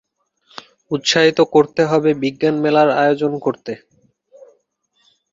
উৎসাহিত করতে হবে বিজ্ঞান মেলার আয়োজন করতে।